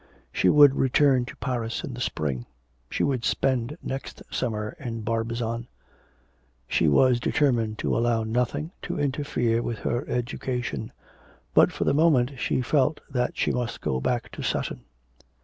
She would return to Paris in the spring; she would spend next summer in Barbizon; she was determined to allow nothing to interfere with her education; but, for the moment, she felt that she must go back to Sutton.